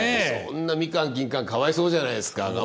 そんな蜜柑金柑かわいそうじゃないですか。